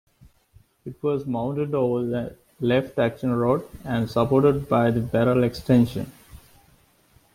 It was mounted over the left action rod and supported by the barrel extension.